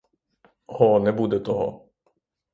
О, не буде того!